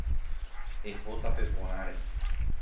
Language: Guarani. Eho tape porãre.